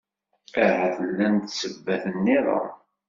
Ahat llant ssebbat-nniḍen.